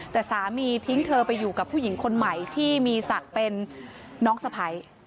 แต่สามีทิ้งเธอไปอยู่กับผู้หญิงคนใหม่ที่มีศักดิ์เป็นน้องสะพ้าย